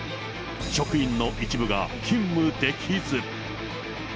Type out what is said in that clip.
職員の一部が勤務できず。